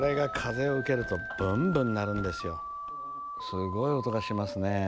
すごい音がしますね。